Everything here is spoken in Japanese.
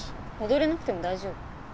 踊れなくても大丈夫。